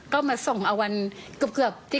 ก็มาส่งเอาวันเกือบ